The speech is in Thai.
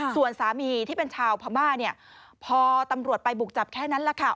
ส่วนสามีที่เป็นชาวพม่าเนี่ยพอตำรวจไปบุกจับแค่นั้นแหละค่ะ